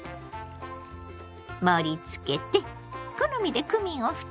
盛りつけて好みでクミンをふってね。